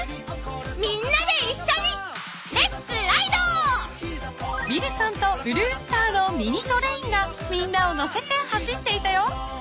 みんなでいっしょに［ウィルソンとブルースターのミニトレインがみんなを乗せて走っていたよ］